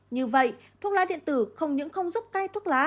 như vậy thuốc lá điện tử không những không giúp cây thuốc lá